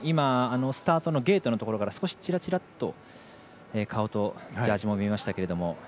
スタートのゲートのところからチラチラと顔とジャージも見えました。